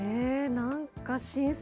なんか新鮮。